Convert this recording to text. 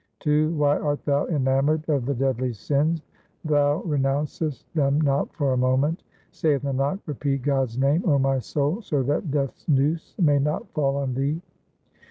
jj Why art thou enamoured of the deadly sins ? thou re nouncest them not for a moment. Saith Nanak, repeat God's name, 0 my soul, so that Death's noose may not fall on thee.